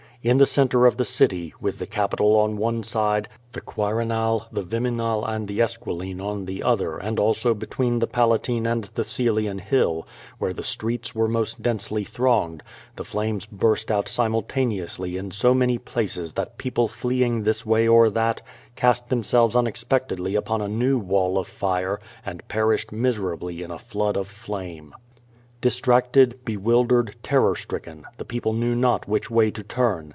In the centre of the city, with the Capitol on one side, the Quirinal, the Viminal and the Esquiline on the other and also between the Palatine and the Coelian hill, where the streets were most densely thronged, the flames burst out simultaneously in so many places that people fleeing this way or that, cast themselves unexpectedly upon a new wall of fire and perished miserably in a flood of flame. Distracted, bewildered, terror stricken, the people knew not which way to turn.